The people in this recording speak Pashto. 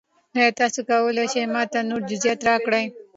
ایا تاسو کولی شئ ما ته نور جزئیات راکړئ؟